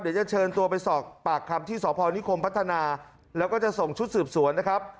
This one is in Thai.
เดี๋ยวจะเชิญตัวไปสอบปากคำที่สพนิคมพัฒนาแล้วก็จะส่งชุดสืบสวนนะครับ